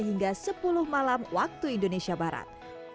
hingga sepuluh malam waktu indonesia barat